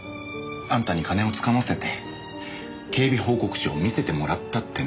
あんたに金を掴ませて警備報告書を見せてもらったってね。